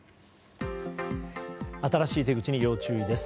新しい手口に要注意です。